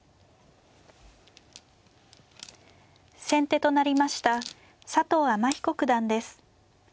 先手となりました佐藤天彦九段です。